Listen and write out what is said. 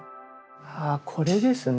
あぁこれですね。